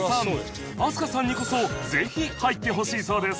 飛鳥さんにこそぜひ入ってほしいそうです